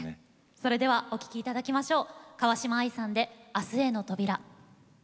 それではお聴きいただきましょう。